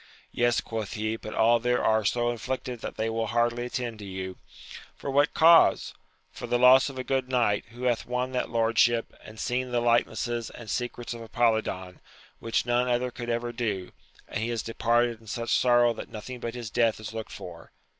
Yes, quoth he, but all there are so afflicted that they will hardly attend to you. — For what cause ?— For the loss of a good knight, who hath won that lordship, and seen the likenesses and secrets of Apolidon, which none other could ever do, and he is departed in such sorrow that nothing but his death is looked for.